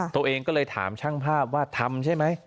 ตัวเองก็เลยถามช่างภาพว่าทำใช่ไหม